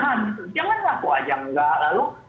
jangan ngaku aja nggak lalu berusaha menyangkal